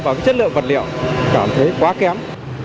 và cái chất lượng vật liệu cảm thấy quá kém